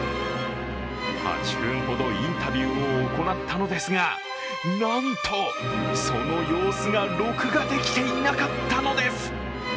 ８分ほどインタビューを行ったのですが、なんと、その様子が録画できていなかったのです。